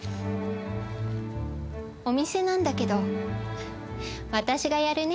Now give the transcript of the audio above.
お店なんだけど、私がやるね。